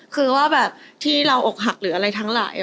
คือว่าแบบที่เราอกหักหรืออะไรทั้งหลาย